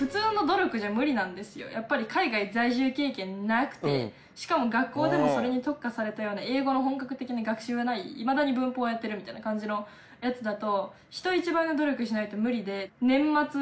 やっぱり海外在住経験なくてしかも学校でもそれに特化されたような英語の本格的な学習がないいまだに文法をやってるみたいな感じのやつだと。